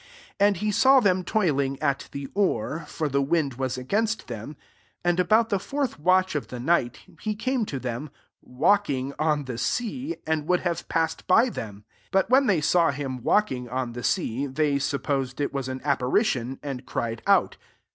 48 And he saw them toiling at the oar ; for the wind was against them: and about the fourth watch of the night, he came to them, walking on the sea, and would have passed by them. 49 But when they saw him, walking on the sea, they supposed it was an apparition, and cried out.